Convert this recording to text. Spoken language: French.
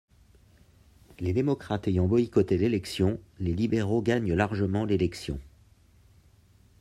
Les démocrates ayant boycottés l'élection, les libéraux gagnent largement l'élection.